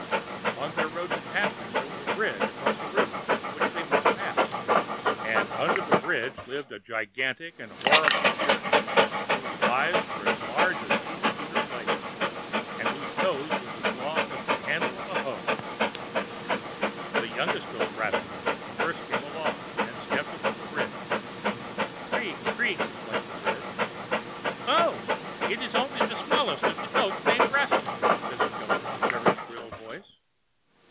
On their road to the pasture there was a bridge across a river which they must pass, and under the bridge lived a gigantic and horrible spirit, whose eyes were as large as two pewter plates, and whose nose was as long as the handle of a hoe. The youngest goat Brausewind first came along, and stepped upon the bridge. "Creak, creak!" complained the bridge. "Who is tripping over my bridge?" cried the elf underneath. "Oh! it is only the smallest of the goats named Brausewind," said the goat in a very shrill voice.